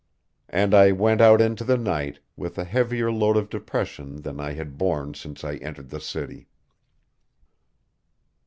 And I went out into the night with a heavier load of depression than I had borne since I entered the city.